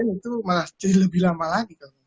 itu malah jadi lebih lama lagi kalau misalnya